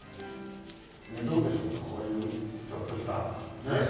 ねっどうでしょうかこういうちょっとしたねお店。